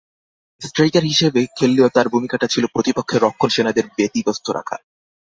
Striker হিসেবে খেললেও তাঁর ভূমিকাটা ছিল প্রতিপক্ষের রক্ষণ সেনাদের ব্যতিব্যস্ত রাখা।